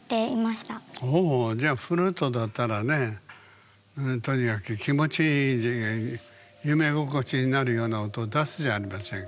おお。じゃあフルートだったらねとにかく気持ちいい夢心地になるような音を出すじゃありませんか。